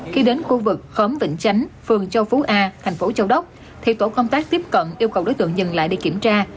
khi đến khu vực khóm vĩnh chánh phường châu phú a thành phố châu đốc thì tổ công tác tiếp cận yêu cầu đối tượng dừng lại để kiểm tra